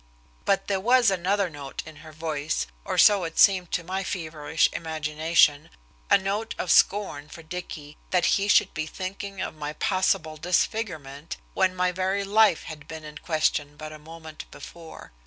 But there was another note in her voice, or so it seemed to my feverish imagination, a note of scorn for Dicky, that he should be thinking of my possible disfigurement when my very life had been in question but a moment before.